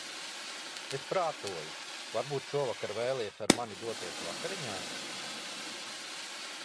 Es prātoju, varbūt šovakar vēlies ar mani doties vakariņās?